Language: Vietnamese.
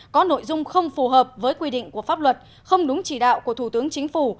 có nội dung không phù hợp với quy định của pháp luật không đúng chỉ đạo của thủ tướng chính phủ